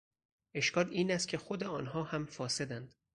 اشکال اینست که خود آنها هم فاسدند.